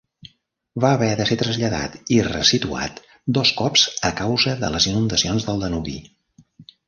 Va haver de ser traslladat i ressituat dos cops a causa de les inundacions del Danubi.